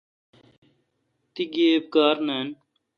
تی گیب کار نان